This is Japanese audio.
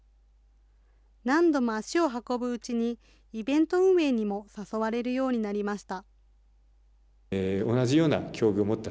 何度も足を運ぶうちに、イベント運営にも誘われるようになりました。